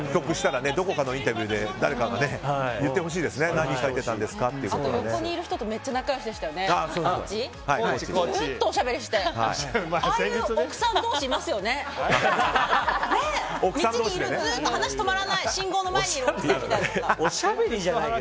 どこかのインタビューであと、横にいる人とめっちゃ仲良しでしたよねコーチ？とずっとおしゃべりして。